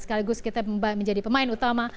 sekaligus kita menjadi pemain utama